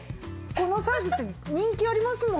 このサイズって人気ありますもんね。